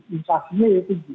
inflasinya ya tinggi